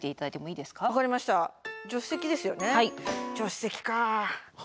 助手席か。